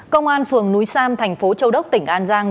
công an phường núi sam thành phố châu đốc tỉnh an giang